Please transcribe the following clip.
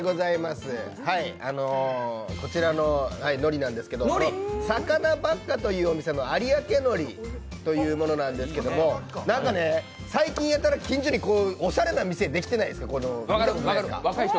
こちらののりなんですけど、ｓａｋａｎａｂａｃｃａというお店の有明海苔というものなんですけども最近やらた近所におしゃれなお店ができてたんです。